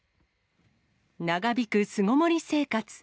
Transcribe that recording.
長引く巣ごもり生活。